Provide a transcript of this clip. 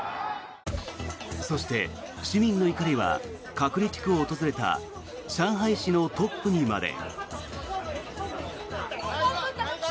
そして、市民の怒りは隔離地区を訪れた上海市のトップにまで。